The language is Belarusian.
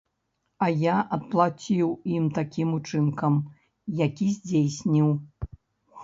А я адплаціў ім такім учынкам, які здзейсніў.